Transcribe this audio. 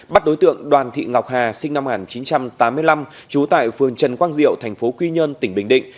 bắt đối tượng đoàn thị ngọc hà sinh năm một nghìn chín trăm tám mươi năm trú tại phường trần quang diệu thành phố quy nhơn tỉnh bình định